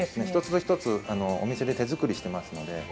一つ一つお店で手作りしてますので。